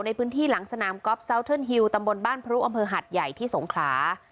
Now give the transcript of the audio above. ในพื้นที่หลังสนามก๊อฟซาวเทิร์นฮิวตำบลบ้านพรุอำเภอหัดใหญ่ที่สงขลา